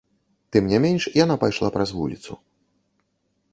Тым не менш яна пайшла праз вуліцу.